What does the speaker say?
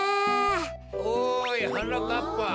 おいはなかっぱ。